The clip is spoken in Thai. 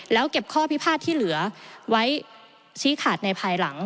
แล้วเก็บข้อพิพาทที่เหลือไว้ชี้ขาดในภายหลัง